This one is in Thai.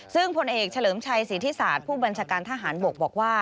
ซึ่งผลเอกเฉลิมชัยศรีธิศาสตร์ผู้บัญชาการทหารบกบอกว่า